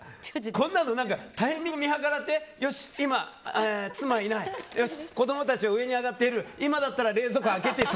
こんなのタイミング見計らってよし、今妻いないよし、子供たち上に上がっている今だったら冷蔵庫開けていい。